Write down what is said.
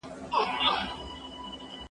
پیاز د میکروبونو ضد دی.